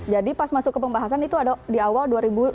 jadi pas masuk ke pembahasan itu ada di awal dua ribu tujuh belas